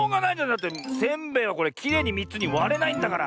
だってせんべいはこれきれいに３つにわれないんだから。